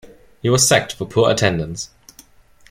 He was sacked for poor attendance.